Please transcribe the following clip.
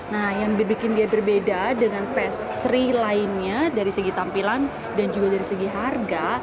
nah yang bikin dia berbeda dengan pastry lainnya dari segi tampilan dan juga dari segi harga